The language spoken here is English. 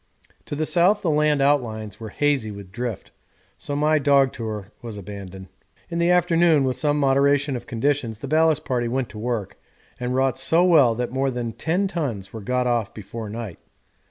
To the south the land outlines were hazy with drift, so my dog tour was abandoned. In the afternoon, with some moderation of conditions, the ballast party went to work, and wrought so well that more than 10 tons were got off before night.